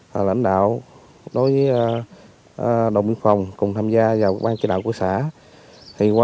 và luôn luôn thường trực là hai mươi bốn hai mươi bốn me thì sim